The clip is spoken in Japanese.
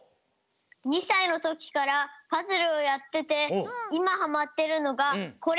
２さいのときからパズルをやってていまハマってるのがこれ！